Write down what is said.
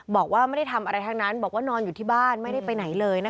บอกว่าไม่ได้ทำอะไรทั้งนั้นบอกว่านอนอยู่ที่บ้านไม่ได้ไปไหนเลยนะคะ